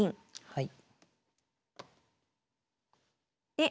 はい。